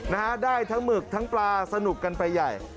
นะฮะได้ทั้งหมึกทั้งปลาสนุกกันไปใหญ่